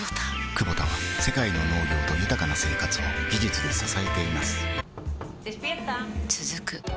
クボタは世界の農業と豊かな生活を技術で支えています起きて。